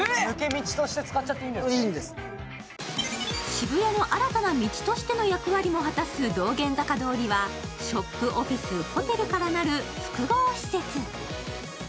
渋谷の新たな道としての役割も果たす道玄坂通はショップ、オフィス、ホテルからなる複合施設。